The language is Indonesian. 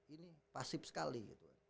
ini pasif sekali